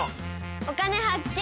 「お金発見」。